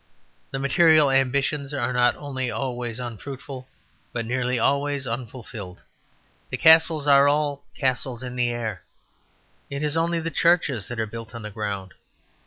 The material ambitions are not only always unfruitful but nearly always unfulfilled. The castles are all castles in the air; it is only the churches that are built on the ground.